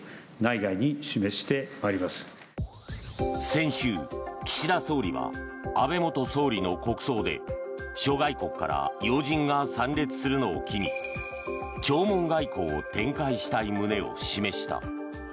先週、岸田総理は安倍元総理の国葬で諸外国から要人が参列するのを機に弔問外交を展開したい旨を示した。